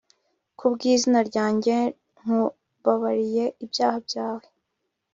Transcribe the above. ku bw’izina ryanjye, nkubabariye ibyaha byawe,